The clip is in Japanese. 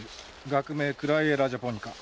学名クライエラ・ジャポニカ。